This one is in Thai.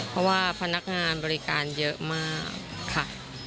เพราะว่าพนักงานบริการเยอะมากค่ะ